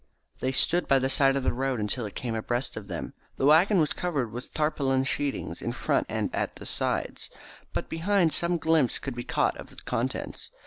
They stood by the side of the road until it came abreast of them. The waggon was covered with tarpaulin sheetings in front and at the sides, but behind some glimpse could be caught of the contents.